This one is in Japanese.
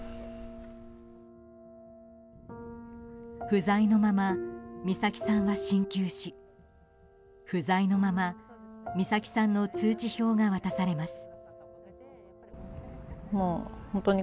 不在のまま美咲さんは進級し不在のまま美咲さんの通知表が渡されます。